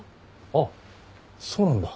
あっそうなんだ。